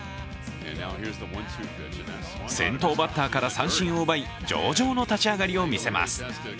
先頭バッターから三振を奪い上々の立ち上がりを見せます。